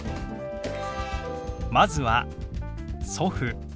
まずは「祖父」。